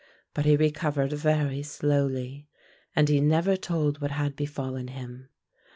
But he recovered very slowly, and he never told what had befallen him.